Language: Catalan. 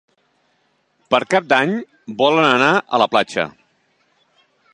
Per Cap d'Any volen anar a la platja.